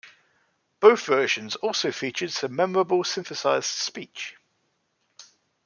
Both versions also featured some memorable synthesised speech.